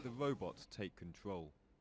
thông tin tiếp theo